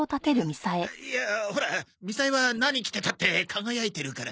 いやほらみさえは何着てたって輝いてるから。